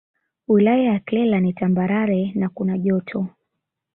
Wilaya ya Kyela ni Tambarale na kuna Joto